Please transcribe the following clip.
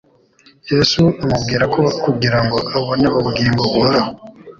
Yesu amubwira ko kugira ngo abone ubugingo buhoraho,